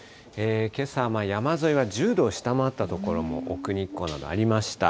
けさ、山沿いは１０度を下回った所も、奥日光などありました。